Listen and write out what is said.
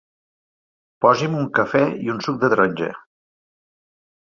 Posi'm un cafè i un suc de taronja.